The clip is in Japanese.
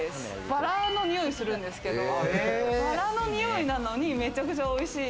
バラのにおいがするんですけど、バラのにおいなのに、めちゃくちゃおいしい。